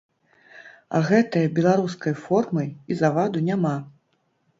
А гэтае беларускай формы і заваду няма.